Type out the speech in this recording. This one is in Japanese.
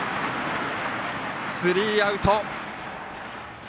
スリーアウト。